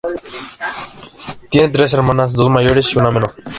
Tiene tres hermanas, dos mayores y una menor.